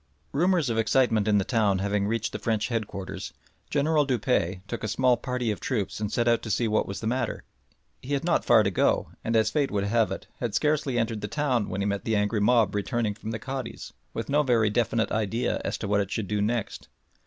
Rumours of excitement in the town having reached the French headquarters, General Dupuy took a small party of troops and set out to see what was the matter. He had not far to go, and as fate would have it, had scarcely entered the town when he met the angry mob returning from the Cadi's with no very definite idea as to what it should do next.